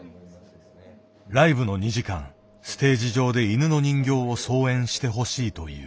ライブの２時間ステージ上で犬の人形を操演してほしいという。